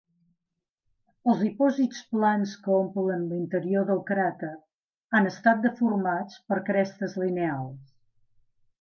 Els dipòsits plans que omplen l'interior del cràter han estat deformats per crestes lineals.